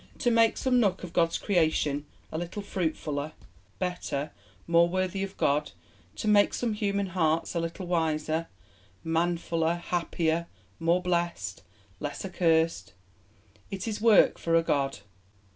"To make some nook of God's Creation a little fruitfuller, better, more worthy of God; to make some human hearts, a little wiser, manfuler, happier more blessed, less accursed! It is work for a God.